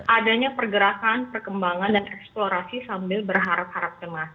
adanya pergerakan perkembangan dan eksplorasi sambil berharap harap cemas